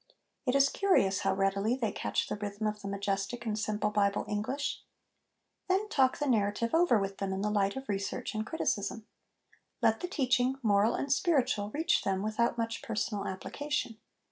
It is curious how readily they catch the rhythm of the majestic and simple Bible English. Then, talk the narrative over with them in the light of research and criticism. Let the teaching, moral and spiritual, reach them without much personal application.